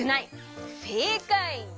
せいかい！